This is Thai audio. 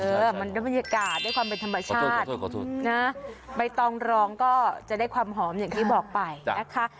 มันก็บรรยากาศด้วยความเป็นธรรมชาตินะใบตองรองก็จะได้ความหอมอย่างที่บอกไปนะคะ